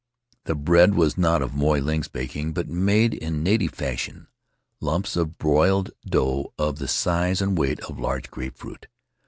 The bread was not of Moy Ling's baking, but made in native fashion — lumps of boiled dough of the size and weight of large grape fruit.